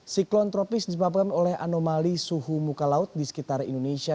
siklon tropis disebabkan oleh anomali suhu muka laut di sekitar indonesia